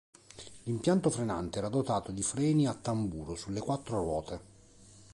L'impianto frenante era dotato di freni a tamburo sulle quattro ruote.